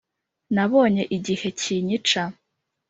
nabonye igihe kinyica.